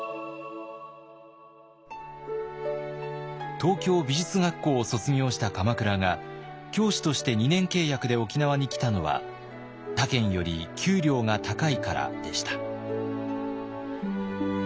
東京美術学校を卒業した鎌倉が教師として２年契約で沖縄に来たのは他県より給料が高いからでした。